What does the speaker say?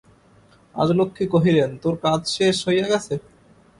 রাজলক্ষ্মী কহিলেন, তোর কাজ শেষ হইয়া গেছে?